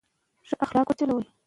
غم له تېرو پېښو سره تړاو لري.